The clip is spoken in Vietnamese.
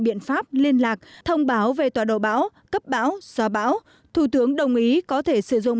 biện pháp liên lạc thông báo về tọa độ bão cấp bão xóa bão thủ tướng đồng ý có thể sử dụng